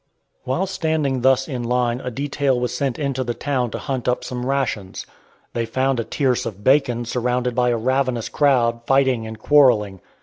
While standing thus in line a detail was sent into the town to hunt up some rations. They found a tierce of bacon surrounded by a ravenous crowd, fighting and quarreling.